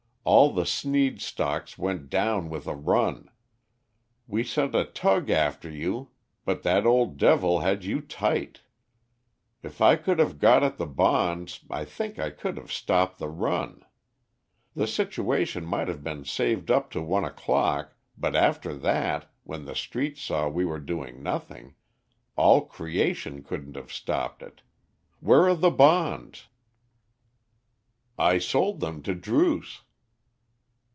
All the Sneed stocks went down with a run. We sent a tug after you, but that old devil had you tight. If I could have got at the bonds, I think I could have stopped the run. The situation might have been saved up to one o'clock, but after that, when the Street saw we were doing nothing, all creation couldn't have stopped it. Where are the bonds?" "I sold them to Druce."